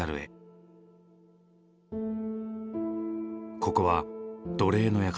ここは「奴隷の館」。